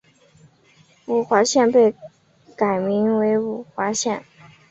五华县被改名名为五华县。